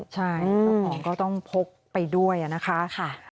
ใช่ต้องพกไปด้วยอะนะคะ